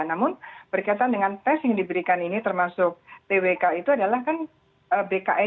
namun berkaitan dengan tes yang diberikan ini termasuk twk itu adalah kan bkn